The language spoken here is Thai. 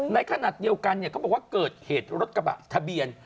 ในขณะเดียวกันเขาบอกว่าเกิดเหตุรถกระบะทะเบียน